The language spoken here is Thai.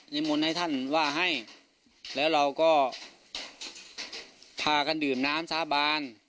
มนต์ให้ท่านว่าให้แล้วเราก็พากันดื่มน้ำสาบาน